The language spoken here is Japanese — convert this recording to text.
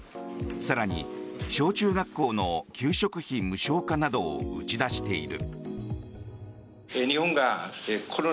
更に、小中学校の給食費無償化などを打ち出している。